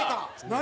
何？